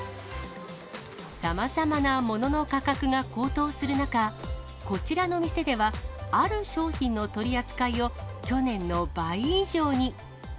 さまざまなものの価格が高騰する中、こちらの店では、ある商品の取り扱いを、去年の倍以上に。